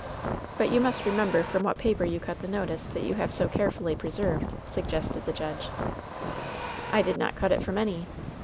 "But you must remember from what paper you cut the notice that you have so carefully preserved,^' sug gested the judge. "I did not cut it from any.